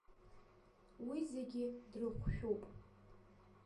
Уи зегьы дрыхәшәуп.